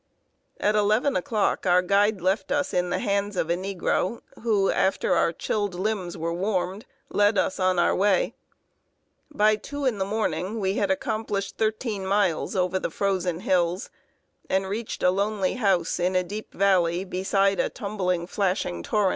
At eleven o'clock our guide left us in the hands of a negro, who, after our chilled limbs were warmed, led us on our way. By two in the morning we had accomplished thirteen miles over the frozen hills, and reached a lonely house in a deep valley, beside a tumbling, flashing torrent.